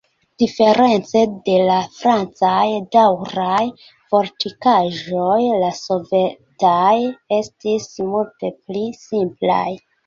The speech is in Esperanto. Diference de la francaj daŭraj fortikaĵoj la sovetaj estis multe pli simplaj.